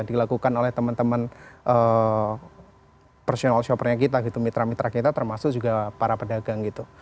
dilakukan oleh teman teman personal shoppernya kita gitu mitra mitra kita termasuk juga para pedagang gitu